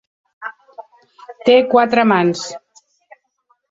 Té quatre mans.